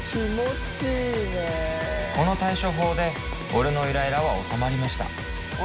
この対処法で俺のイライラは収まりました。